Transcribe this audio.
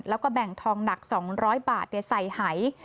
แล้วก็แบ่งทองหนัก๒๐๐บาทใส่หาย